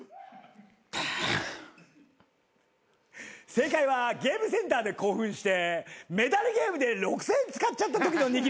正解はゲームセンターで興奮してメダルゲームで６，０００円使っちゃったときの握り拳でした。